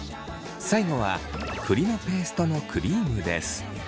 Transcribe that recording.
最後は栗のペーストのクリームです。